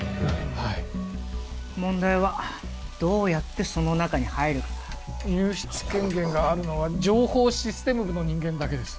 はい問題はどうやってその中に入るかだ入室権限があるのは情報システム部の人間だけです